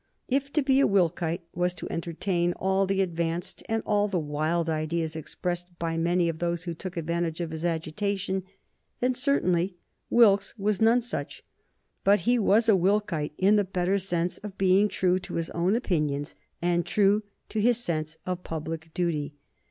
If to be a Wilkite was to entertain all the advanced and all the wild ideas expressed by many of those who took advantage of his agitation, then certainly Wilkes was none such. But he was a Wilkite in the better sense of being true to his own opinions and true to his sense of public duty.